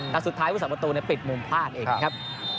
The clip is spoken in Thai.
แต่สุดท้ายผู้สาประตูปิดมุมพลาดเองนะครับ